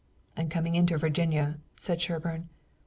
"And coming into Virginia," said Sherburne.